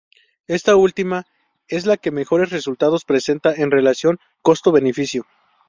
Esta última es la que mejores resultados presenta en relación costo-beneficio.